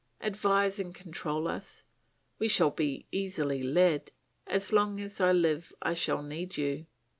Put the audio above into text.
Advise and control us; we shall be easily led; as long as I live I shall need you.